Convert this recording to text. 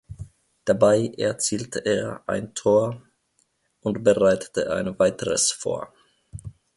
Dabei erzielte er ein Tor und bereitete ein weiteres vor.